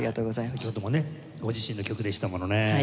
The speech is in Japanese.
先ほどもねご自身の曲でしたものね。